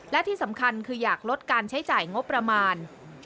และที่สำคัญคืออยากลดการใช้จ่ายงบประมาณ